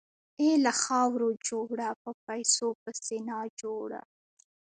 اې له خاورو جوړه، په پيسو پسې ناجوړه !